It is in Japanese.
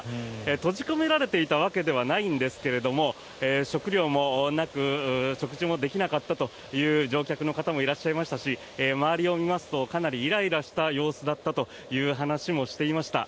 閉じ込められていたわけではないんですが食料もなく食事もできなかったという乗客の方もいらっしゃいましたし周りを見ますとかなりイライラした様子だったという話もしていました。